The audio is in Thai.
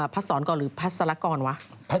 พักศรกรหรือพักศรกรวะ